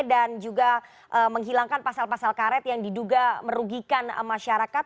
dan juga menghilangkan pasal pasal karet yang diduga merugikan masyarakat